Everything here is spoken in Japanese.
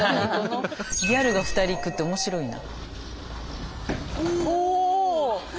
ギャルが２人行くって面白いな。